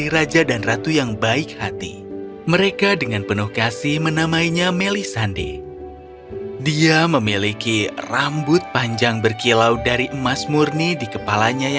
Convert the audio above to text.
raja dan ratu senang atas bintang mereka